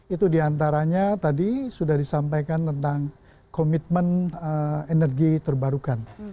itu diantaranya tadi sudah disampaikan tentang komitmen energi terbarukan